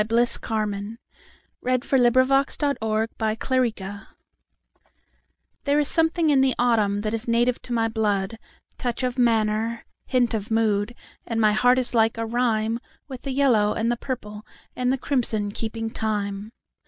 Bliss Carman1861–1929 A Vagabond Song THERE is something in the autumn that is native to my blood—Touch of manner, hint of mood; And my heart is like a rhyme, With the yellow and the purple and the crimson keeping time.